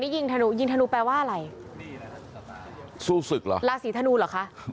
ยิงธนูยิงธนูแปลว่าอะไรสู้ศึกเหรอราศีธนูเหรอคะ